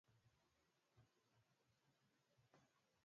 kinga ya mwili huongezwa kwa kula viazi lishe